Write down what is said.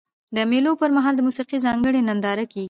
د مېلو پر مهال د موسیقۍ ځانګړي نندارې کیږي.